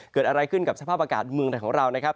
เกิดอะไรขึ้นกับสภาพอากาศเมืองไทยของเรานะครับ